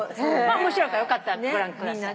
面白いからよかったらご覧ください。